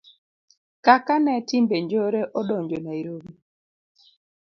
kaka ne timbe njore odonjo Nairobi